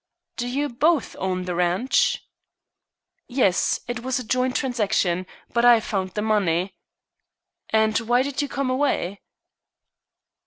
"Do you both own the ranch?" "Yes; it was a joint transaction, but I found the money." "And why did you come away?"